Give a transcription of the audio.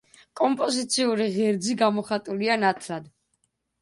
კომპოზიციური ღერძი გამოხატულია ნათლად.